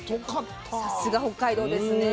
さすが北海道ですね。